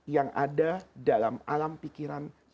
yang ada dalam alam pikiran